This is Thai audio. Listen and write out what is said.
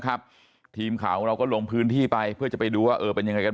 ทีมข่าวของเราก็ลงพื้นที่ไปเพื่อจะไปดูว่าเออเป็นยังไงกัน